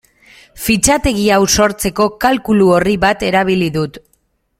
Fitxategi hau sortzeko kalkulu-orri bat erabili dut.